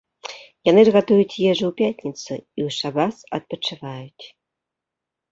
Яны ж гатуюць ежу ў пятніцу і ў шабас адпачываюць.